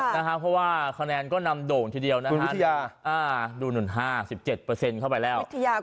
เพราะว่าคะแนนก็นำโด่งทีเดียวนะฮะดูหนุ่น๕๗เข้าไปแล้ว